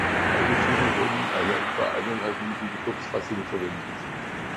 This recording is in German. Beide Titel wurden in einer etwa eineinhalb-minütigen Kurzfassung verwendet.